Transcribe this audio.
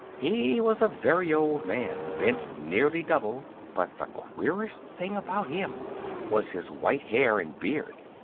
He was a very old man, bent nearly double; but the queerest thing about him was his white hair and beard.